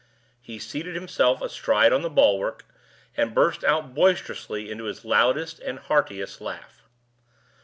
He seated himself astride on the bulwark, and burst out boisterously into his loudest and heartiest laugh.